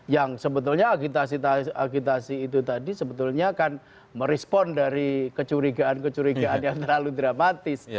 yang sebetulnya agitasi agitasi itu tadi sebetulnya akan merespon dari kecurigaan kecurigaan yang terlalu dramatis